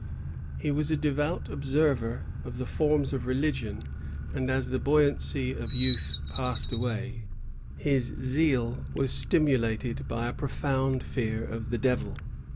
He was a devout observer of the forms of religion ; and as the buoyancy of youth passed away, his zeal was stimu lated by a profound fear of the Devil.